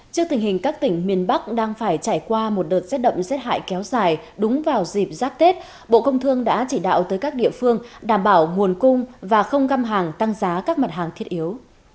trước tình hình các tỉnh miền bắc đang phải trải qua một đợt rét đậm rét hại kéo dài đúng vào dịp giáp tết bộ công thương đã chỉ đạo tới các địa phương đảm bảo nguồn cung và không găm hàng tăng giá các mặt hàng thiết yếu